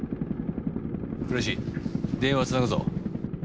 倉石電話つなぐぞ。